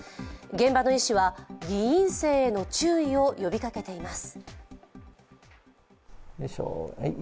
現場の医師は偽陰性への注意を呼びかけています。